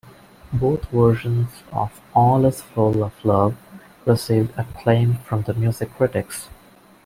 Both versions of "All Is Full of Love" received acclaim from music critics.